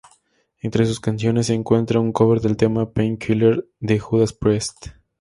Entre sus canciones se encuentra un cover del tema "Painkiller" de Judas Priest.